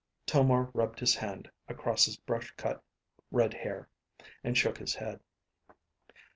Tomar rubbed his hand across his brush cut red hair and shook his head.